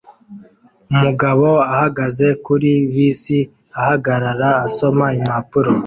Umugabo ahagaze kuri bisi ahagarara asoma impapuro